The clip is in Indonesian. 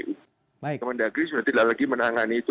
kementerian negeri sudah tidak lagi menangani itu